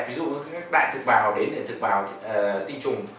ví dụ các đại thực bào đến để thực vào tinh trùng